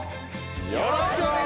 よろしくお願いします！